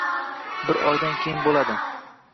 Bir oydan keyin bo`ladi